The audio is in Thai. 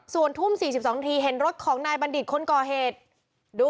ส่วนทุ่ม๔๒ทีเห็นรถของนายบัณฑิตคนก่อเหตุ